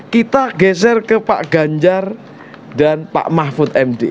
kita geser ke pak ganjar dan pak mahfud md